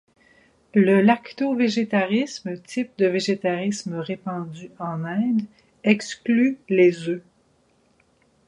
Le lacto-végétarisme, type de végétarisme répandu en Inde exclut les œufs.